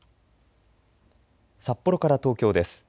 札幌から東京です。